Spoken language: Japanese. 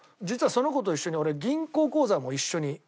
実はその子と一緒に俺銀行口座も一緒に。